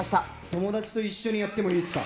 友達と一緒にやってもいいですか？